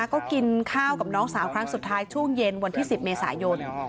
ก็กินข้าวกับน้องสาวครั้งสุดท้ายช่วงเย็นวันที่๑๐เมษายน